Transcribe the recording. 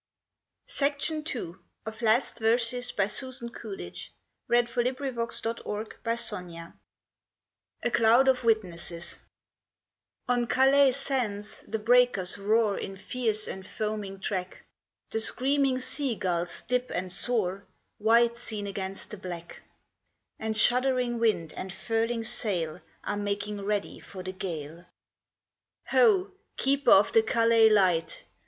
s its fragrance wraps a rose. A CLOUD OF WITNESSES "A CLOUD OF WITNESSES" ON Calais sands the breakers roar In fierce and foaming track ; The screaming sea gulls dip and soar, White seen against the black j And shuddering wind and furling sail Are making ready for the gale. Ho, keeper of the Calais Light